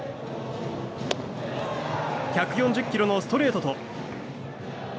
１４０キロのストレートと。